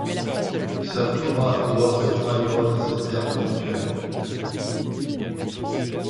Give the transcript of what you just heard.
Sir Thomas et lord Drybone s'observent mutuellement.